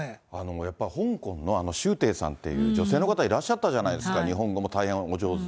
やっぱ香港のあのしゅうていさんっていう、女性の方いらっしゃったじゃないですか、日本語も大変お上手で。